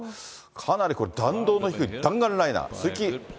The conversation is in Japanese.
かなりこれ、弾道の低い、弾丸ライナー。